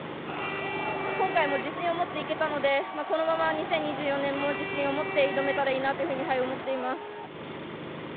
今回も自信を持って行けたのでこのまま２０２４年も自信を持って挑めたらいいなというふうに思っています。